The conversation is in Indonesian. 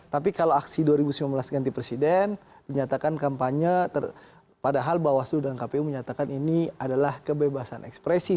tapi kalau aksi dua ribu sembilan belas ganti presiden dinyatakan kampanye padahal bawaslu dan kpu menyatakan ini adalah kebebasan ekspresi